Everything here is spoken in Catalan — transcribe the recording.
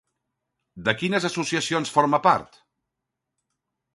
De quines associacions forma part?